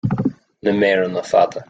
Na méireanna fada